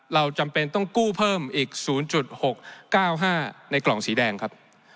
จำเป็นต้องกู้เพิ่มอีก๐๖๙๕ในกล่องสีแดงครับ